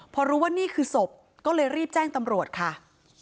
พอรู้ว่านี่คือศพก็เลยรีบแจ้งตำรวจค่ะ